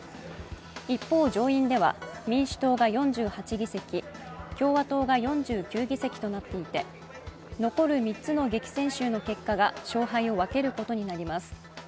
一方、上院では、民主党が４８議席共和党が４９議席となっていて残る３つの激戦州の結果が勝敗を分けることになります。